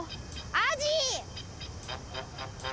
アジ。